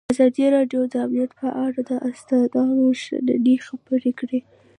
ازادي راډیو د امنیت په اړه د استادانو شننې خپرې کړي.